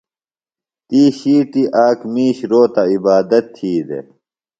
تی ݜِیٹی آک مِیش روتہ عبادت تھی دےۡ۔